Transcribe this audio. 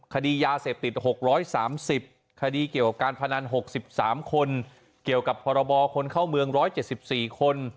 คดียาเสพติด๖๓๐คดีเกี่ยวกับการพนัน๖๓คนเกี่ยวกับพรบคนเข้าเมือง๑๗๔คน